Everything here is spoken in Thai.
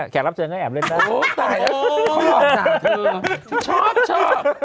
แขกรับเชิญก็แอบเล่นได้โอ้โฮตายแล้วขอบคุณค่ะ